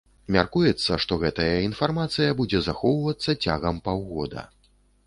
Мяркуецца, што гэтая інфармацыя будзе захоўвацца цягам паўгода.